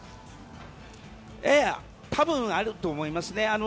多分、あると思いますね。